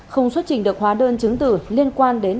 không xuất trình được hóa đơn chứng tử liên quan đến